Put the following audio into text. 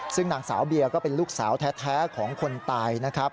ซึ่งนางสาวเบียร์ก็เป็นลูกสาวแท้ของคนตายนะครับ